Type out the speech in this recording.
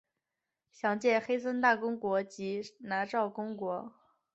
详见黑森大公国以及拿绍公国。